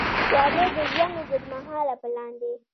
• واده د ژوند اوږدمهاله پلان دی.